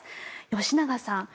吉永さん